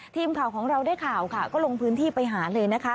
ทีมข่าวของเราได้ข่าวค่ะก็ลงพื้นที่ไปหาเลยนะคะ